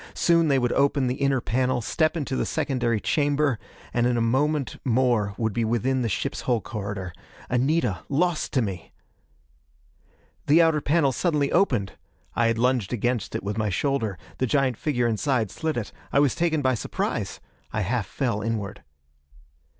Soon they would open the inner panel, step into the secondary chamber and in a moment more would be within the ship's hull corridor. Anita, lost to me! The outer panel suddenly opened! I had lunged against it with my shoulder; the giant figure inside slid it. I was taken by surprise! I half fell inward.